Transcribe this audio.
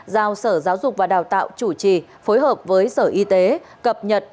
giao sở giáo dục và đào tạo chủ trì phối hợp với sở y tế cập nhật